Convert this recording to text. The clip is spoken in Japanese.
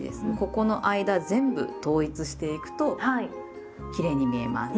ここの間全部統一していくときれいに見えます。